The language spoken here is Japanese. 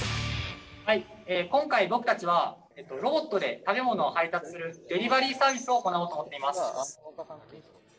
はい今回僕たちはロボットで食べ物を配達するデリバリーサービスを行おうと思っています。